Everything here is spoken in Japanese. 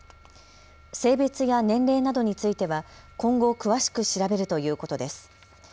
性別や年齢などについては今後、詳しく調べるということです。